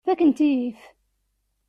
Fakkent-iyi-t.